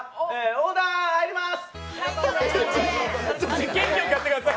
オーダー入ります！